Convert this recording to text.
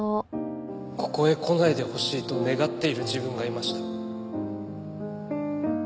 ここへ来ないでほしいと願っている自分がいました。